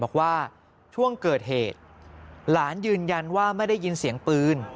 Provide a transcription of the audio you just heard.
บอกว่าช่วงเกิดเหตุหลานยืนยันว่าไม่ได้ยินเสียงปืน